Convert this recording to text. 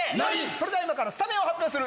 それでは今からスタメンを発表する。